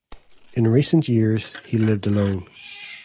In recent years he lived alone.